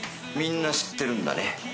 みんな知ってるんだね。